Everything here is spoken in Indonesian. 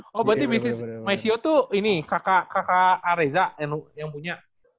oh berarti bisnis myseo tuh ini kakak areza yang punya